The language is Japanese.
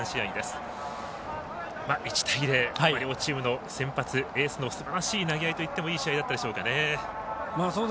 １対０、両チームの先発エースのすばらしい投げ合いといっても、いい試合でしたかね。